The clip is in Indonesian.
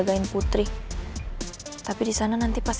daddy turutin semua keinginan kamu